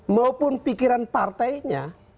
maupun pikiran partainya